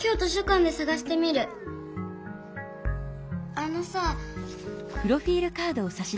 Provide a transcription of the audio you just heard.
あのさ。